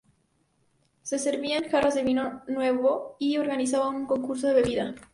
Se servían jarras de vino nuevo y se organizaba un concurso de bebida.